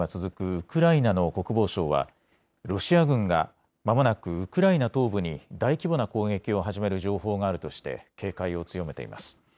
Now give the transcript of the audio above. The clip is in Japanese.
ウクライナの国防省はロシア軍がまもなくウクライナ東部に大規模な攻撃を始める情報があるとして警戒を強めています。